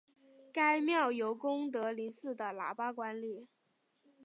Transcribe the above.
该庙由功德林寺的喇嘛管理。